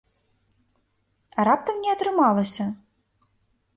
А раптам не атрымалася?